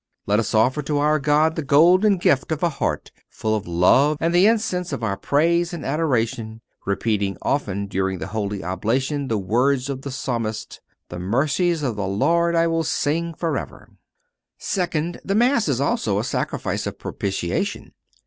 Let us offer to our God the golden gift of a heart full of love and the incense of our praise and adoration, repeating often during the holy oblation the words of the Psalmist: "The mercies of the Lord I will sing forever." Second—The Mass is also a sacrifice of propitiation.